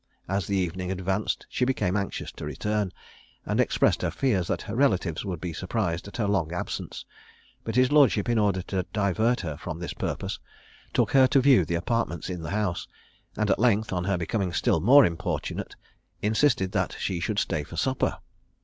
As the evening advanced she became anxious to return, and expressed her fears that her relatives would be surprised at her long absence; but his lordship, in order to divert her from this purpose, took her to view the apartments in the house, and at length, on her becoming still more importunate, insisted that she should stay for supper.